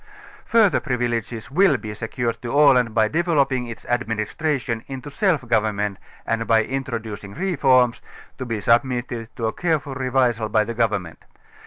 Further privileges will be secured to Aland by developing its tadministration into self government and by introducing reforms, to be submitted to a careful r├®visai by 17 the government.